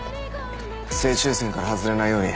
正中線から外れないように。